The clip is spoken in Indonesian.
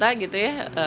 atau kota gitu ya